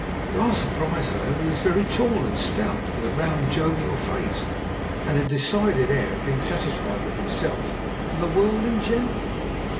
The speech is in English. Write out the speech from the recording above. To our surprise, however, he was very tall and stout, with a round, jovial face, and a decided air of being satisfied with himself and the world in general.